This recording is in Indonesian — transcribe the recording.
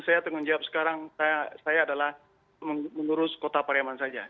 saya tanggung jawab sekarang saya adalah mengurus kota pariaman saja